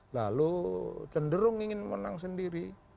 lalu cenderung ingin menang sendiri